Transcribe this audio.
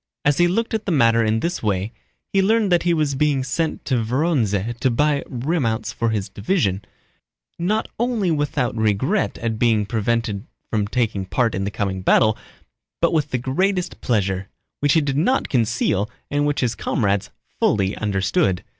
As he looked at the matter in this way, he learned that he was being sent to Vorónezh to buy remounts for his division, not only without regret at being prevented from taking part in the coming battle, but with the greatest pleasure—which he did not conceal and which his comrades fully understood.